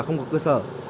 không có cơ sở